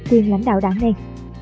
quyền lãnh đạo đảng này